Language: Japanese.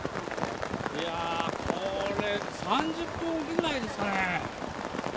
いやー、これ、３０分置きぐらいですかね。